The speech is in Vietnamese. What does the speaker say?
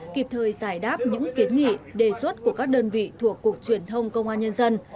kịp thời giải đáp những kiến nghị đề xuất của các đơn vị thuộc cục truyền thông công an nhân dân